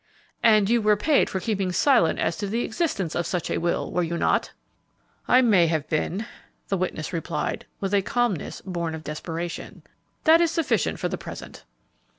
"And you were paid for keeping silent as to the existence of such a will, were you not?" "I may have been," the witness replied, with a calmness born of desperation. "That is sufficient for the present."